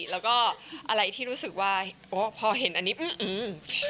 แล้วก็อะไรที่รู้สึกว่าโอ้พอเห็นอันนี้อืม